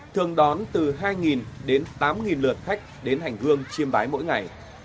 thường đón từ hai đến tám lượt khách đến hành hương chiêm bái mỗi ngày